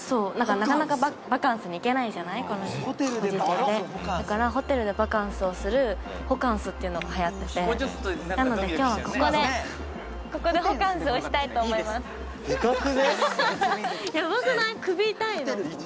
なかなかバカンスに行けないじゃないこのご時世でだからホテルでバカンスをするホカンスっていうのがはやっててなので今日はここでホカンスをしたいと思いますでかくね？